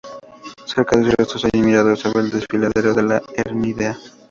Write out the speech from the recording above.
Cerca de sus restos hay un mirador sobre el Desfiladero de La Hermida.